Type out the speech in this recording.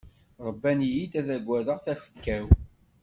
Ṛebban-iyi-d ad ttaggadeɣ tafekka-w.